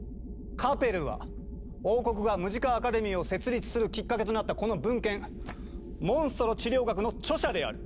カペルは王国がムジカ・アカデミーを設立するきっかけとなったこの文献「モンストロ治療学」の著者である！